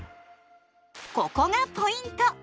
ここがポイント！